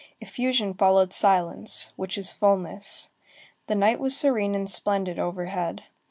Effusion followed silence, which is fulness. The night was serene and splendid overhead.